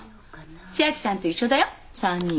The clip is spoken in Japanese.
千明ちゃんと一緒だよ３人。